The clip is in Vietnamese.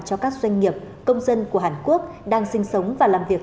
cho các doanh nghiệp công dân của hàn quốc đang sinh sống và làm việc